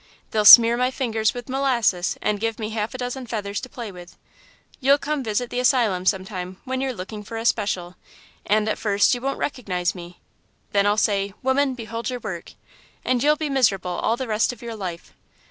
They'll smear my fingers with molasses and give me half a dozen feathers to play with. You'll come to visit the asylum, sometime, when you're looking for a special, and at first, you won't recognise me. Then I'll say: 'Woman, behold your work,' and you'll be miserable all the rest of your life."